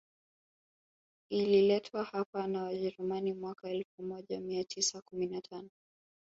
Ililetwa hapo na Wajerumani mwaka elfu moja mia tisa kumi na tano